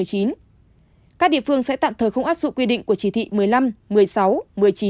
các địa phương sẽ tạm thời không áp dụng quy định của chỉ thị một mươi năm một mươi sáu một mươi chín